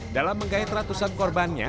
dalam menggait ratusan korbannya